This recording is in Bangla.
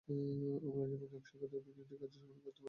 আমরা যেমন একসঙ্গে দু-তিনটি কাজের সমন্বয় ঘটাতে পারি, তারা পারে না।